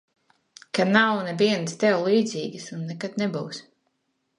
Ka nav nevienas tev līdzīgas un nekad nebūs.